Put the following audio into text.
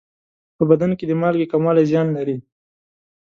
په بدن کې د مالګې کموالی زیان لري.